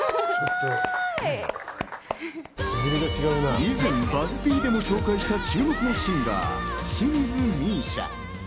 以前、ＢＵＺＺ−Ｐでも登場した注目のシンガー・清水美依紗。